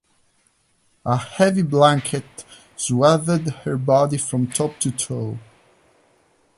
A heavy blanket swathed her body from top to toe.